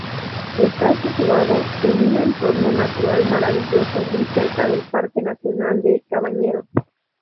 Está situado en un entorno natural maravilloso muy cerca del Parque nacional de Cabañeros.